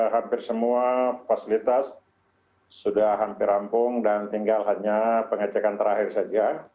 hampir semua fasilitas sudah hampir rampung dan tinggal hanya pengecekan terakhir saja